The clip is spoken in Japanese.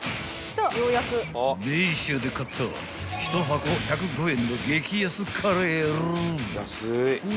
［ベイシアで買った１箱１０５円の激安カレールウ］